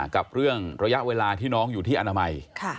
กับเรื่องระยะเวลาที่น้องอยู่ที่อนามัย